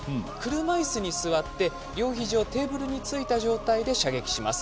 車いすに座って両ひじをテーブルについた状態で射撃します。